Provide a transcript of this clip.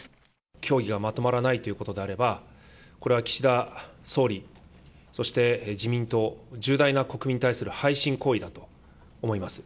協議がまとまらないということであれば、これは岸田総理、そして自民党、重大な国民に対する背信行為だと思います。